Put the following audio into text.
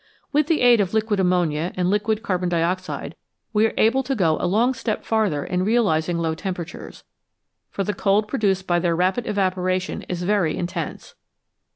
With the aid of liquid ammonia and liquid carbon dioxide we are able to go a long step farther in realising low temperatures, for the cold produced by their rapid evaporation is very intense.